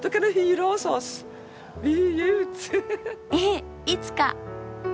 ええいつか！